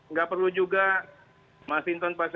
nggak perlu juga mas hinton pasaribu bang effendi dan sebagainya